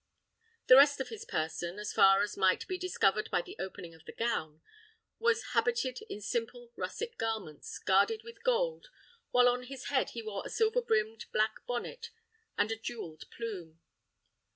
The rest of his person, as far as might be discovered by the opening of the gown, was habited in simple russet garments, guarded with gold, while on his head he wore a small brimmed black bonnet and a jewelled plume.